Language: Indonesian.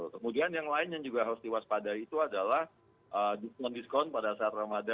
kemudian yang lain yang juga harus diwaspadai itu adalah mendiskon pada saat ramadhan